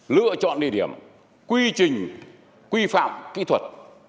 lựa chọn địa điểm quy trình quy phạm kỹ thuật